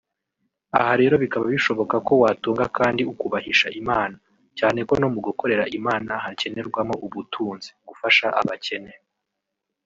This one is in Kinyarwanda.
Aha rero bikaba bishoboka ko watunga kandi ukubahisha Imana cyane ko no mugukorera Imana hakenerwamo ubutunzi (gufasha abakene